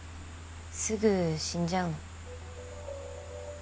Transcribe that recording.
すぐ死んじゃうの